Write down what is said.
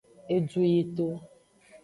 Edu yito.